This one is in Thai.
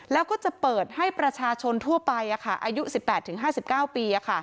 แล้วก็จะเปิดให้ประชาชนทั่วไปอายุ๑๘๕๙ปี